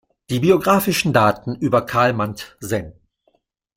Die biografischen Daten über Carl Mand sen.